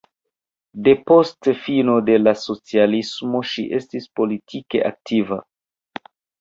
Depost fino de la socialismo ŝi estis politike aktiva.